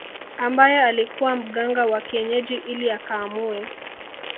Ambaye alikuwa mganga wa kienyeji ili akamuue